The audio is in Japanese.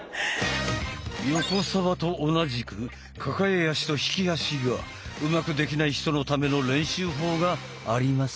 横澤と同じく抱え足と引き足がうまくできない人のための練習法がありますよ。